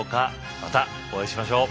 またお会いしましょう！